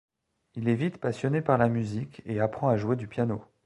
Il est vite passionné par la musique et apprend à jouer du piano.